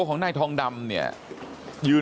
บอกแล้วบอกแล้วบอกแล้ว